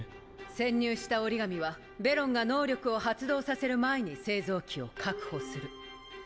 潜入した折紙はベロンが能力を発動させる前に製造機を確保する。！